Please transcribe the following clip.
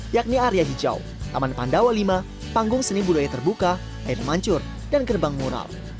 yakni area hijau taman pandawa v panggung seni budaya terbuka air mancur dan gerbang mural